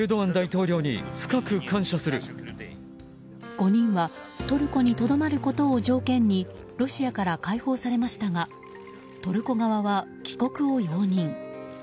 ５人はトルコにとどまることを条件にロシアから解放されましたがトルコ側は帰国を容認。